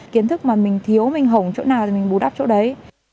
kiến thức mà mình thiếu mình hỏng chỗ nào thì mình bù đắp chỗ đấy